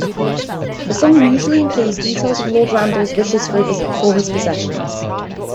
The song usually includes details of Lord Randall's wishes for his possessions.